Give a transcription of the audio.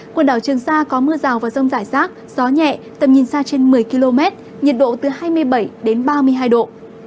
quần đảo trường sa có mưa rào và rông rải rác gió nhẹ tầm nhìn xa trên một mươi km nhiệt độ từ hai mươi bảy đến ba mươi hai độ